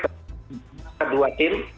kita dua tim